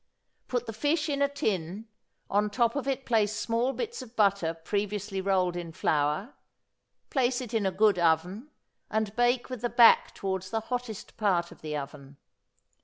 Put the fish in a tin, on top of it place small bits of butter previously rolled in flour, place it in a good oven, and bake with the back toward the hottest part of the oven.